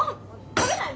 食べない！